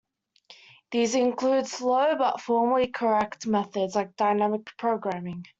These include slow but formally correct methods like dynamic programming.